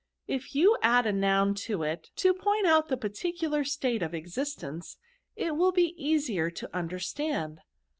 I£ you add a noun to it, to point out the particular state of existence, it will be easier to under stand.